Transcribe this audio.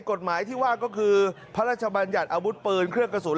กฎหมายที่ว่าก็คือพระราชบัญญัติอาวุธปืนเครื่องกระสุน